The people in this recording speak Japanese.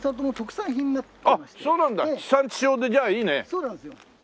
そうなんですよ。